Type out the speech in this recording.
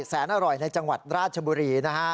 แสนอร่อยในจังหวัดราชบุรีนะฮะ